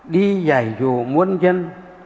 đi dạy dù muôn dân